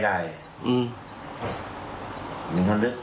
อวัยวะทุกส่วน